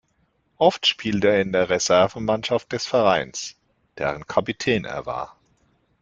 Oft spielte er in der Reservemannschaft des Vereins, deren Kapitän er war.